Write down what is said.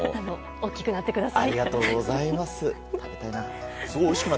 大きくなってください。